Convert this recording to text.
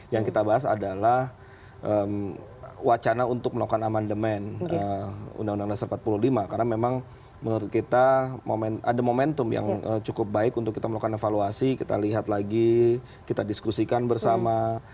yang kita bahas adalah wacana untuk melakukan amandemen undang undang dasar empat puluh lima karena memang menurut kita ada momentum yang cukup baik untuk kita melakukan evaluasi kita lihat lagi kita diskusikan bersama